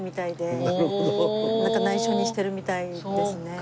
なんか内緒にしてるみたいですね。